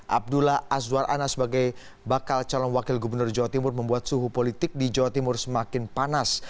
abdullah azwar anas sebagai bakal calon wakil gubernur jawa timur membuat suhu politik di jawa timur semakin panas